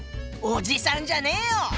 おじさんじゃねえよ！